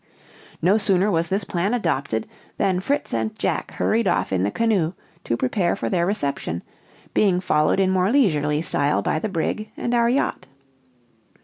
No sooner was this plan adopted, than Fritz and Jack hurried off in the canoe to prepare for their reception, being followed in more leisurely style by the brig and our yacht.